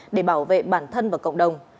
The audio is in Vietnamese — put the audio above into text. để bảo vệ bản thân và cộng đồng